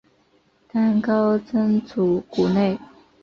当高僧祖古内。